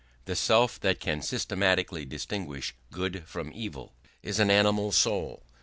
The self that can systematically distinguish good from evil is an animal soul.